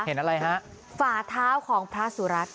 เห็นอะไรฮะฝาเท้าของพระสุรัตน